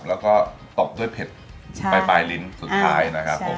แล้วก็ตบด้วยเผ็ดปลายลิ้นสุดท้ายนะครับผม